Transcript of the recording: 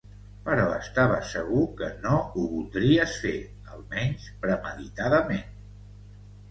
Però estava segur que no ho voldries fer, almenys premeditadament.